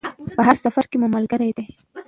په هر سفر کې مو ملګرې ده.